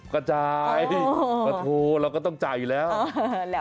ก็จ่ายโอ้โฮเราก็ต้องจ่ายอยู่แล้ว